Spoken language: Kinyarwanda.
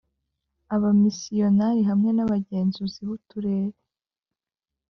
abamisiyonari hamwe nabagenzuzi buturere